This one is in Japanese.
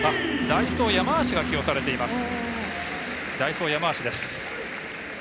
代走、山足が起用されています。